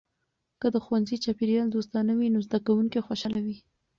که د ښوونځي چاپیریال دوستانه وي، نو زده کونکي خوشحاله وي.